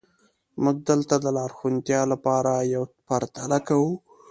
موږ دلته د لا روښانتیا لپاره یوه پرتله کوو.